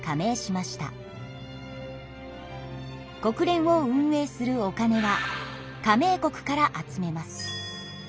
国連を運営するお金は加盟国から集めます。